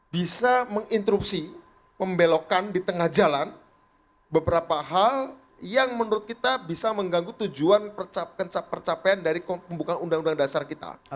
bisa menginterupsi membelokan di tengah jalan beberapa hal yang menurut kita bisa mengganggu tujuan percapaian dari pembukaan undang undang dasar kita